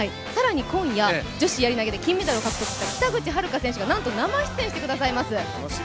今夜、女子やり投で金メダルを獲得した北口榛花選手がなんと生出演してくださいます。